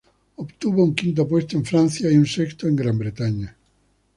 Obtuvo un quinto puesto en Francia y un sexto en Gran Bretaña.